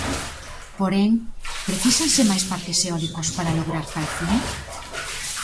Porén, precísanse máis parques eólicos para lograr tal fin?